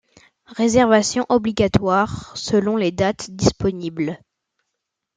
Réservation obligatoire selon les dates disponibles.